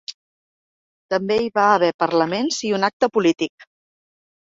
També hi va haver parlaments i un acte polític.